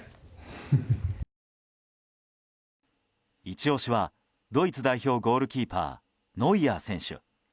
イチ押しはドイツ代表ゴールキーパーノイアー選手。